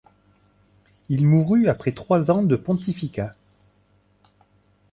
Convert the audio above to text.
Il mourut après trois ans de pontificat.